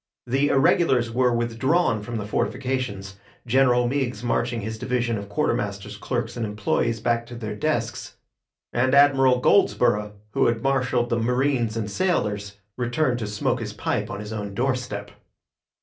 The irregulars were withdrawn from the fortifications, General Meigs marching his division of quartermaster's clerks and employees back to their desks; and Admiral Goldsborough, who had marshalled the marines and sailors, returned to smoke his pipe on his own doorstep.